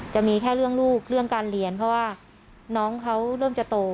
จะมีแค่เรื่องลูกเรื่องการเรียนเพราะว่าน้องเขาเริ่มจะโต